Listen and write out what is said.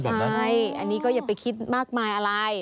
ใช่อันนี้ก็อย่าไปคิดมากมายอะไร